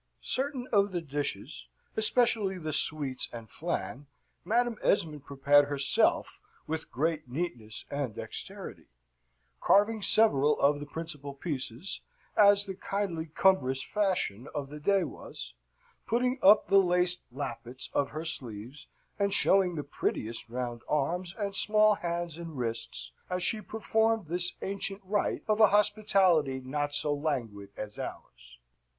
Certain of the dishes, especially the sweets and flan, Madam Esmond prepared herself with great neatness and dexterity; carving several of the principal pieces, as the kindly cumbrous fashion of the day was, putting up the laced lappets of her sleeves, and showing the prettiest round arms and small hands and wrists as she performed this ancient rite of a hospitality not so languid as ours.